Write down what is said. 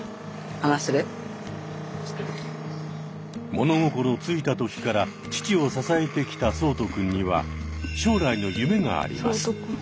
物心ついた時から父を支えてきた聡人くんには将来の夢があります。